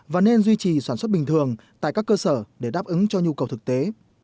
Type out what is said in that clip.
và nên duy trì sản xuất bình thường tại các cơ sở để đáp ứng cho nhu cầu thực tế